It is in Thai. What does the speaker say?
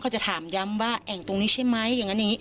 จะถามย้ำว่าแอ่งตรงนี้ใช่ไหมอย่างนั้นอย่างนี้